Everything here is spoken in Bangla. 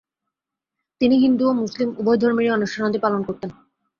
তিনি হিন্দু ও মুসলিম উভয় ধর্মেরই অনুষ্ঠানাদি পালন করতেন।